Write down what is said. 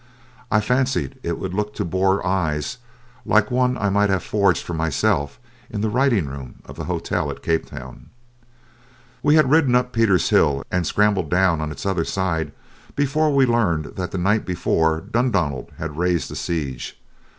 I fancied it would look to Boer eyes like one I might have forged for myself in the writing room of the hotel at Cape Town. We had ridden up Pieter's Hill and scrambled down on its other side before we learned that the night before Dundonald had raised the siege.